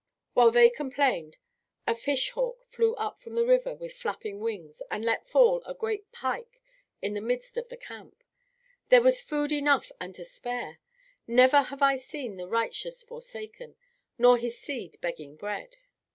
While they complained, a fish hawk flew up from the river with flapping wings, and let fall a great pike in the midst of the camp. There was food enough and to spare! Never have I seen the righteous forsaken, nor his seed begging bread."